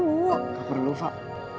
gak perlu fak